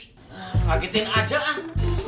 bagitin aja ah